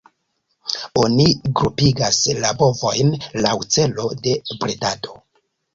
Oni grupigas la bovojn laŭ celo de bredado.